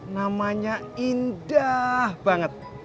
namanya indah banget